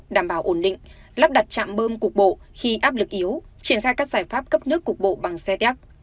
đảm bảo ổn định lắp đặt chạm bơm cục bộ khi áp lực yếu triển khai các giải pháp cấp nước cục bộ bằng xe téc